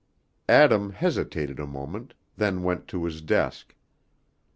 Adam hesitated a moment, then went to his desk.